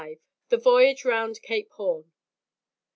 THE VOYAGE ROUND CAPE HORN.